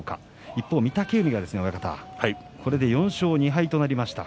一方、御嶽海がこれで４勝２敗となりました。